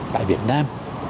tại việt nam